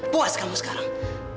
puas kamu sekarang